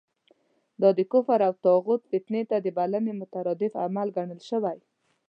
دا د کفر او طاغوت فتنې ته د بلنې مترادف عمل ګڼل شوی.